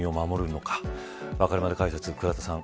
わかるまで解説倉田さん